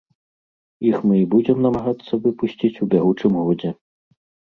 Іх мы і будзем намагацца выпусціць у бягучым годзе.